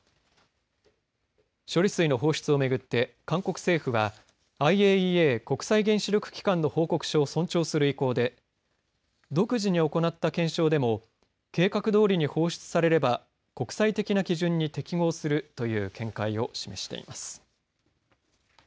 処理水の放出を巡って韓国政府はＩＡＥＡ＝国際原子力機関の報告書を尊重する意向で独自に行った検証でも計画どおりに放出されれば国際的な基準に適合するという見解を示しています。